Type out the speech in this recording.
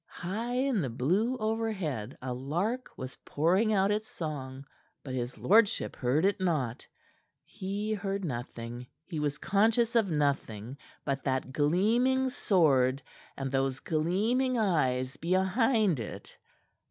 High in the blue overhead a lark was pouring out its song; but his lordship heard it not. He heard nothing, he was conscious of nothing but that gleaming sword and those gleaming eyes behind it.